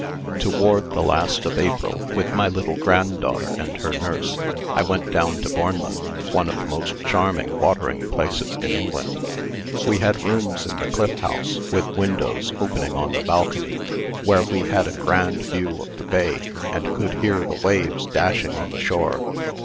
Toward the last of April, with my little granddaughter and her nurse, I went down to Bournemouth, one of the most charming watering places in England. We had rooms in the Cliff House with windows opening on the balcony, where we had a grand view of the bay and could hear the waves dashing on the shore.